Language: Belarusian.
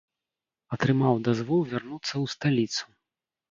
Атрымаў дазвол вярнуцца ў сталіцу.